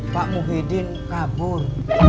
pak muhyiddin kabur